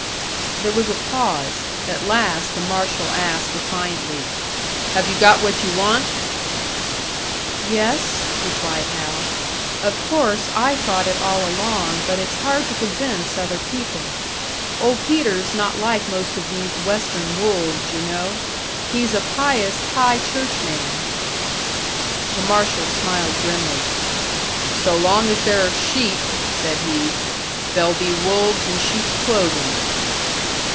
There was a pause; at last the marshal asked, defiantly, "Have you got what you want?" "Yes," replied Hal. "Of course, I thought it all along, but it's hard to convince other people. Old Peter's not like most of these Western wolves, you know; he's a pious high church man." The marshal smiled grimly. "So long as there are sheep," said he, "there'll be wolves in sheep's clothing."